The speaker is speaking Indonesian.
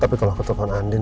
tapi kalau aku telfon andin